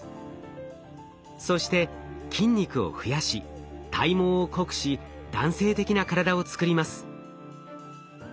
そして筋肉を増やし体毛を濃くし男性的な体を作ります。